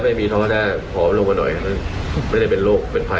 ไม่มีท้องก็ได้ผอมลงมาหน่อยไม่ได้เป็นโรคเป็นภัย